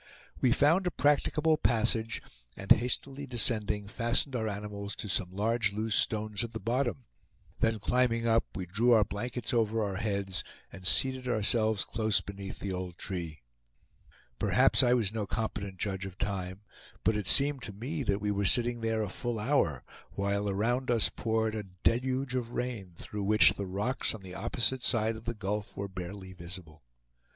We found a practicable passage, and hastily descending, fastened our animals to some large loose stones at the bottom; then climbing up, we drew our blankets over our heads, and seated ourselves close beneath the old tree. Perhaps I was no competent judge of time, but it seemed to me that we were sitting there a full hour, while around us poured a deluge of rain, through which the rocks on the opposite side of the gulf were barely visible.